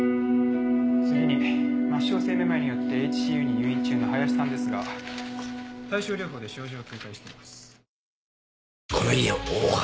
次に末梢性めまいによってＨＣＵに入院中の林さんですが対症療法で症状軽快しています。